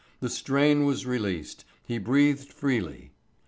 The strain was released, he breathed freely.